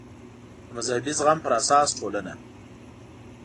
د مذهبي زغم پر اساس ټولنه